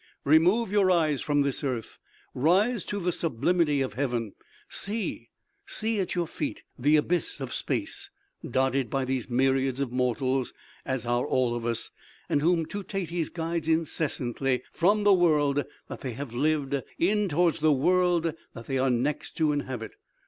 Remove your eyes from this earth; rise to the sublimity of heaven. See, see at your feet the abyss of space, dotted by these myriads of mortals as are all of us, and whom Teutates guides incessantly from the world that they have lived in towards the world that they are next to inhabit.